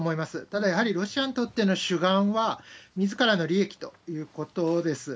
ただ、やはりロシアにとっての主眼は、みずからの利益ということです。